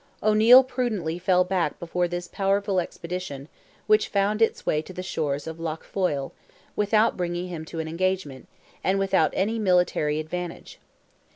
O'Neil prudently fell back before this powerful expedition, which found its way to the shores of Lough Foyle, without bringing him to an engagement, and without any military advantage.